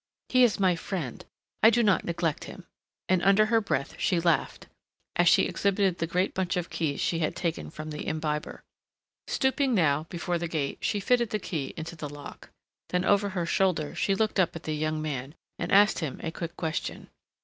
"He is my friend. I do not neglect him," and under her breath she laughed, as she exhibited the great bunch of keys she had taken from the imbiber. Stooping now before the gate she fitted the key into the lock. Then over her shoulder she looked up at the young man, and asked him a quick question.